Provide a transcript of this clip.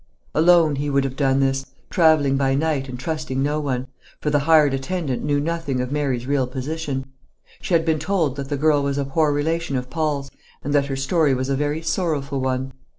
Alone he would have done this; travelling by night, and trusting no one; for the hired attendant knew nothing of Mary's real position. She had been told that the girl was a poor relation of Paul's, and that her story was a very sorrowful one.